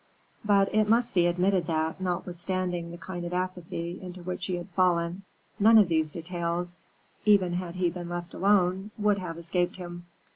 But it must be admitted that, notwithstanding the kind of apathy into which he had fallen, none of these details, even had he been left alone, would have escaped him.